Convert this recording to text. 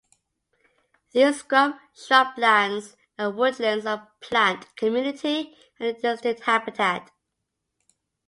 These scrub shrublands and woodlands are a plant community and a distinct habitat.